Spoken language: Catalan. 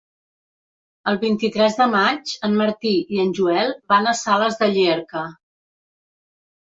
El vint-i-tres de maig en Martí i en Joel van a Sales de Llierca.